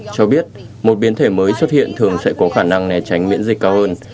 cho biết một biến thể mới xuất hiện thường sẽ có khả năng né tránh miễn dịch cao hơn